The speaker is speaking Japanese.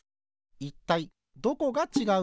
いったいどこがちがうのか？